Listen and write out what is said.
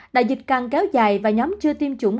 đại dịch càng kéo dài và nhóm chưa tiêm chủng